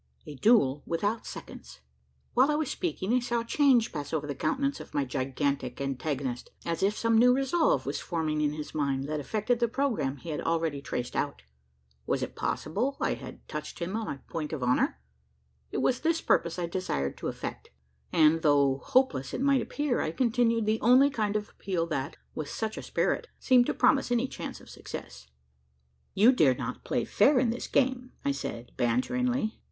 A DUEL WITHOUT SECONDS. While I was speaking, I saw a change pass over the countenance of my gigantic antagonist as if some new resolve was forming in his mind, that affected the programme he had already traced out. Was it possible I had touched him on a point of honour? It was this purpose I desired to effect; and, though hopeless it might appear, I continued the only kind of appeal that, with such a spirit, seemed to promise any chance of success. "You dare not play fair in this game?" I said, banteringly.